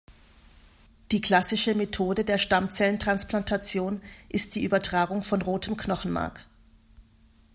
Die klassische Methode der Stammzelltransplantation ist die Übertragung von rotem Knochenmark.